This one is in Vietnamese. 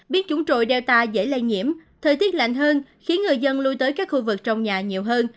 biết chúng trồi đeo ta dễ lây nhiễm thời tiết lạnh hơn khiến người dân lui tới các khu vực trong nhà nhiều hơn